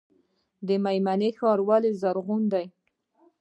میمنه ښار ولې زرغون دی؟